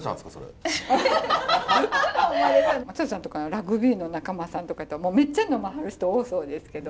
ラグビーの仲間さんとかめっちゃ呑まはる人多そうですけど。